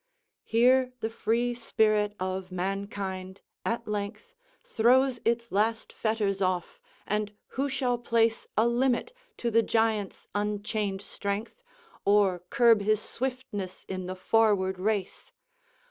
XXXIII. Here the free spirit of mankind, at length, Throws its last fetters off; and who shall place A limit to the giant's unchained strength, Or curb his swiftness in the forward race?